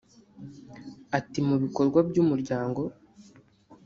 Ati “ Mu bikorwa by’umuryango